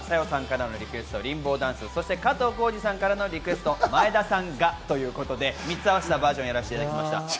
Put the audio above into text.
さよさんからのリクエスト、リンボーダンス、加藤浩次さんからのリクエスト、前田さんがということで３つ合わせたバージョンです。